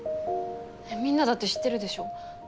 みんなだって知ってるでしょ？